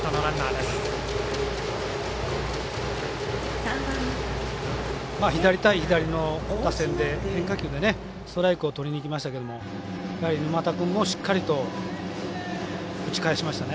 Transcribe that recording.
左対左の打線で、変化球でストライクをとりにきましたけど沼田君もしっかりと打ち返しましたね。